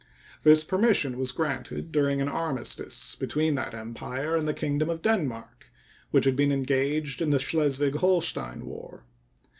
This permission was granted during an armistice between that Empire and the Kingdom of Denmark, which had been engaged in the Schleswig Holstein war.